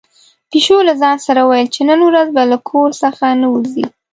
پيشو له ځان سره ویل چې نن ورځ به له کور څخه نه وځي.